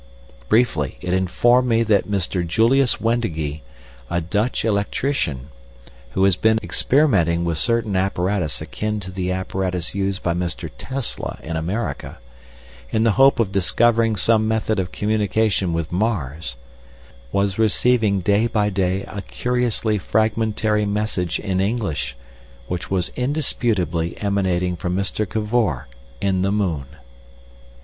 Briefly, it informed me that Mr. Julius Wendigee, a Dutch electrician, who has been experimenting with certain apparatus akin to the apparatus used by Mr. Tesla in America, in the hope of discovering some method of communication with Mars, was receiving day by day a curiously fragmentary message in English, which was indisputably emanating from Mr. Cavor in the moon.